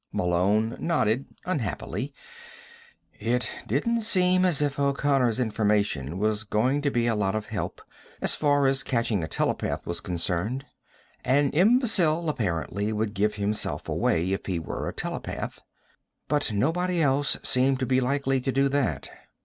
Malone nodded unhappily. It didn't seem as if O'Connor's information was going to be a lot of help as far as catching a telepath was concerned. An imbecile, apparently, would give himself away if he were a telepath. But nobody else seemed to be likely to do that.